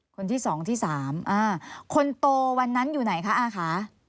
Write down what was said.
คนที่๒ที่๓คนโตวันนั้นอยู่ไหนคะอาคะ